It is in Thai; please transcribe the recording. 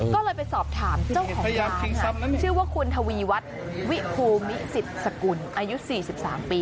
ก็เลยไปสอบถามเจ้าของร้านค่ะ